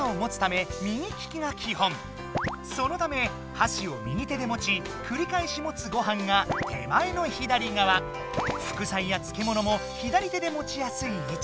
そのためはしを右手で持ちくりかえし持つごはんが手前の左がわ副菜やつけものも左手で持ちやすい位置。